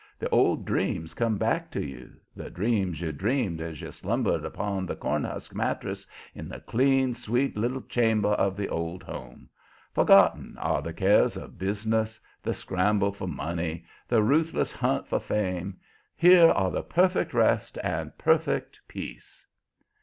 The old dreams come back to you, the dreams you dreamed as you slumbered upon the cornhusk mattress in the clean, sweet little chamber of the old home. Forgotten are the cares of business, the scramble for money, the ruthless hunt for fame. Here are perfect rest and perfect peace.